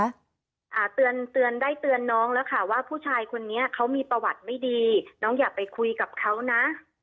อ่าเตือนเตือนได้เตือนน้องแล้วค่ะว่าผู้ชายคนนี้เขามีประวัติไม่ดีน้องอย่าไปคุยกับเขานะ